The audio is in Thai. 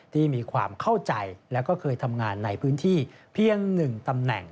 ที่มีความเข้าใจและก็เคยทำงานในพื้นที่เพียง๑ตำแหน่ง